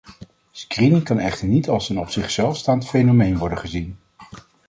Screening kan echter niet als een op zichzelf staand fenomeen worden gezien.